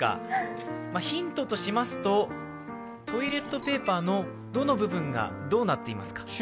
ヒントとしますと、トイレットペーパーのどの部分がどうなってますか？